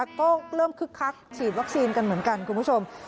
ก็เริ่มคึกคักฉีดวัคซีนกันเหมือนกันคุณผู้ชม